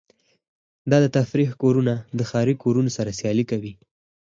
دا د تفریح کورونه د ښاري کورونو سره سیالي کوي